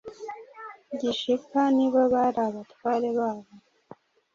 Gishipa ni bo bari abatware babo